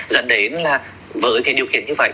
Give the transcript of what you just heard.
dẫn đến là với điều kiện như vậy